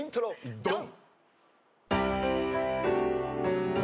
ドン！